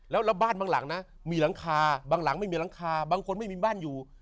แล้วบ้านบางหลังนะมีหลังคาบางหลังไม่มีหลังคาบางคนไม่มีบ้านอยู่